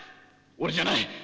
俺じゃない！